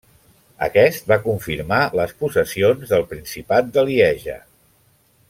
Aquest va confirmar les possessions del principat de Lieja.